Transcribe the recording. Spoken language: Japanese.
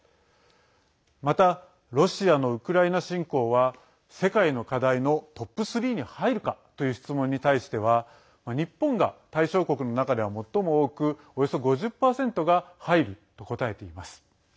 また、ロシアのウクライナ侵攻は世界の課題のトップ３に入るかという質問に対しては日本が対象国の中では最も多くおよそ５０％が入ると答えています。